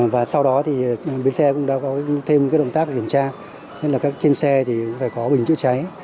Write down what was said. và sau đó thì bến xe cũng đã có thêm cái động tác kiểm tra nên là các trên xe thì phải có bình chữa cháy